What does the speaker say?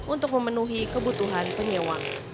untuk memenuhi kebutuhan penyewa